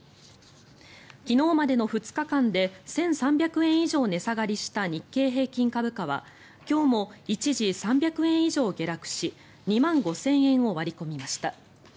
昨日までの２日間で１３００円以上値下がりした日経平均株価は今日も一時、３００円以上下落し２万５０００円を割り込みました。